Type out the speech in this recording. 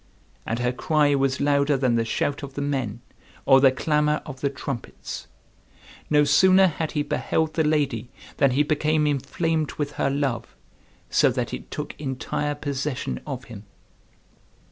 And her cry was louder than the shout of the men or the clamor of the trumpets. No sooner had he beheld the lady than he became inflamed with her love, so that it took entire possession of him.